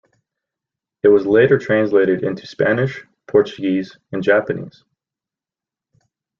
It was later translated into Spanish, Portuguese and Japanese.